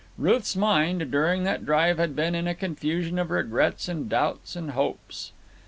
Ruth's mind during that drive had been in a confusion of regrets and doubts and hopes.